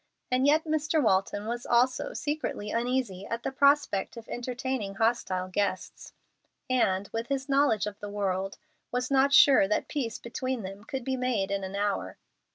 And yet Mr. Walton was also secretly uneasy at the prospect of entertaining hostile guests, and, with his knowledge of the world, was not sure that peace between them could be made in an hour.